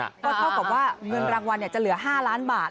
ก็เท่ากับว่าเงินรางวัลจะเหลือ๕ล้านบาท